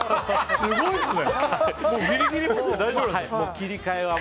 すごいですね。